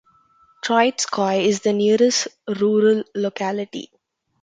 Troitskoye is the nearest rural locality.